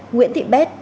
nguyễn thị bét